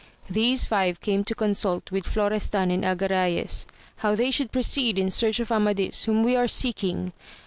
These five came to consult with Florestan and Agrayes, how they should proceed in search of Amadis, whom we are seeking.